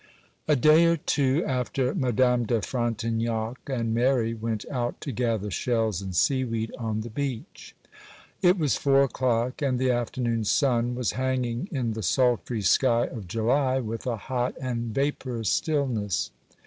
A DAY or two after, Madame de Frontignac and Mary went out to gather shells and seaweed on the beach. It was four o'clock; and the afternoon sun was hanging in the sultry sky of July with a hot and vaporous stillness.